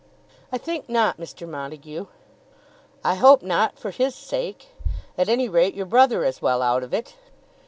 "I think not, Mr. Montague." "I hope not, for his sake. At any rate, your brother is well out of it."